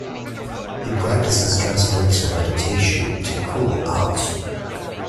He practices Transcendental Meditation, to "cool out".